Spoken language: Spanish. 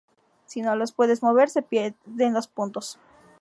Si no los puede mover, se pierden los puntos.